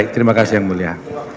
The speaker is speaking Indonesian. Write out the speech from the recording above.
terima kasih yang mulia